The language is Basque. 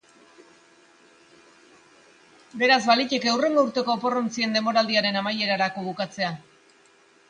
Beraz, baliteke hurrengo urteko opor-ontzien denboraldiaren amaierarako bukatzea.